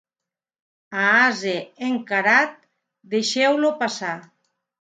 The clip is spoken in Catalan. A ase encarat, deixeu-lo passar.